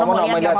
oke nono mau lihat